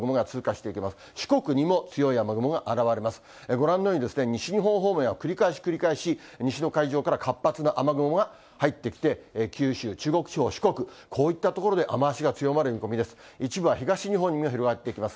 ご覧のように、西日本方面は繰り返し繰り返し西の海上から活発な雨雲が入ってきて、九州、中国地方、四国、こういった所で雨足が強まる見込みです。